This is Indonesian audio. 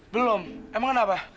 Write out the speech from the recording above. belum emang kenapa